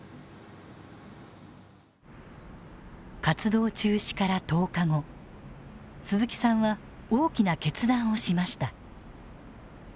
活動中止から１０日後鈴木さんは大きな決断をしました。